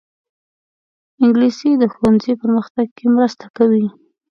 انګلیسي د ښوونځي پرمختګ کې مرسته کوي